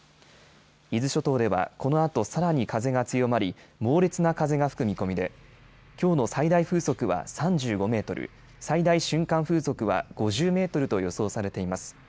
伊豆諸島ではこのあとさらに風が強まり、猛烈な風が吹く見込みで、きょうの最大風速は３５メートル、最大瞬間風速は５０メートルと予想されています。